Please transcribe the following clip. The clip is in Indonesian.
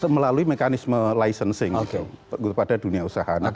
melalui mekanisme licensing kepada dunia usaha